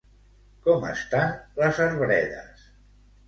Com estan les arbredes?